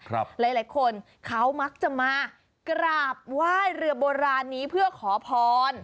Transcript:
หลายคนเขามักจะมากราบไหว้เรือโบราณนี้เพื่อขอพร